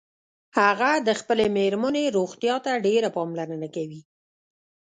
هغه د خپلې میرمنیروغتیا ته ډیره پاملرنه کوي